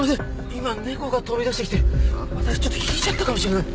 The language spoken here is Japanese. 今猫が飛び出してきて私ひいちゃったかもしれない。